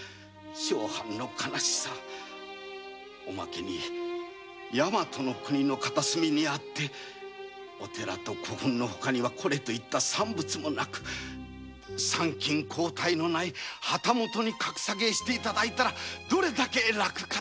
その上大和の国の片隅にあって寺と古墳のほかにはこれという産物も無く参勤交代のない旗本に格下げして頂いたらどんなに楽か。